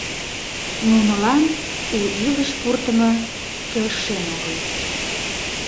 Нунылан у илыш пуртымо келшен огыл.